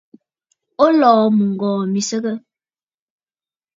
O lɔ̀ɔ̀ mɨŋgɔ̀ɔ̀ mi nsəgə?